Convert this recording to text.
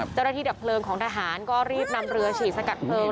เจ้าหน้าที่ดับเพลิงของทหารก็รีบนำเรือฉีดสกัดเพลิง